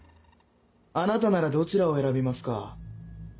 あなたならどちらを選びますか？